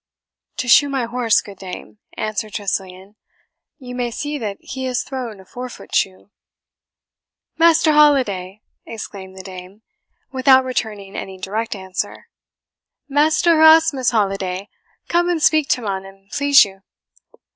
"To shoe my horse, good dame," answered Tressiliany; "you may see that he has thrown a fore foot shoe." "Master Holiday!" exclaimed the dame, without returning any direct answer "Master Herasmus Holiday, come and speak to mon, and please you."